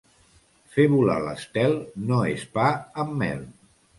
Fer volar l'estel no és pa amb mel.